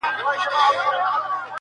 ګورئ تر خلوته چي خُمونه غلي غلي وړي؛”؛